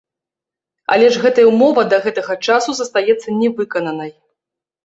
Але ж гэтая ўмова да гэтага часу застаецца не выкананай.